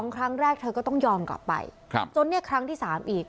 ครั้งแรกเธอก็ต้องยอมกลับไปจนเนี่ยครั้งที่๓อีก